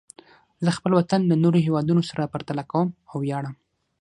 زه خپل وطن له نورو هېوادونو سره پرتله کوم او ویاړم.